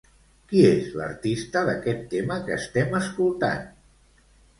Qui és l'artista d'aquest tema que estem escoltant?